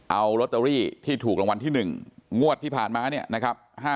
เอาร็อตเตอรี่ที่ถูกรางวัลที่๑งวดที่ผ่านมา๕๐๓๔๔๖